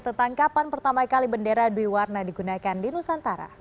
tentang kapan pertama kali bendera berwarna digunakan di nusantara